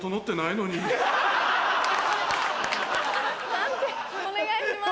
判定お願いします。